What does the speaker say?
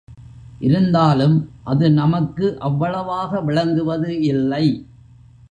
இருந்தாலும் அது நமக்கு அவ்வளவாக விளங்குவது இல்லை.